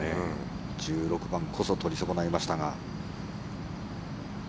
１６番こそ取り損ないましたが。